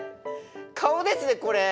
顔ですねこれ！